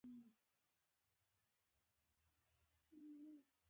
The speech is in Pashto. ناپلیون له لوري تر اشغال وروسته فعالیت پیل کړ.